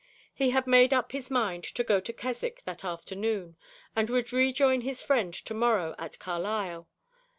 He had made up his mind to go to Keswick that afternoon, and would rejoin his friend to morrow, at Carlisle.